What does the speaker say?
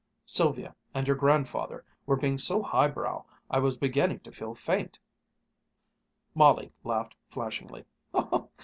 Sylvia and your grandfather were being so high brow I was beginning to feel faint," Molly laughed flashingly.